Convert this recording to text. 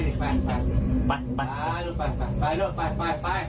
ไปไปไป